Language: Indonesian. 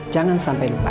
jangan sampai lupa